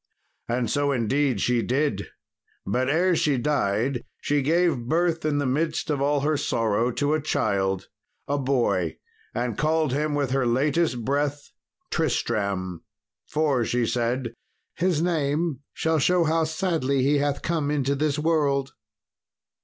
And so indeed she did, but ere she died she gave birth in the midst of all her sorrow to a child, a boy, and called him with her latest breath Tristram; for she said, "His name shall show how sadly he hath come into this world."